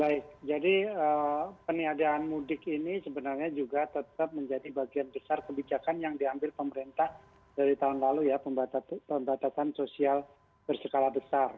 baik jadi peniadaan mudik ini sebenarnya juga tetap menjadi bagian besar kebijakan yang diambil pemerintah dari tahun lalu ya pembatasan sosial berskala besar